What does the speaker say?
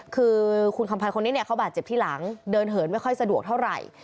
คือคุณคำพันธ์คนนี้เนี่ยเขาบาดเจ็บที่หลังเดินเหินไม่ค่อยสะดวกเท่าไหร่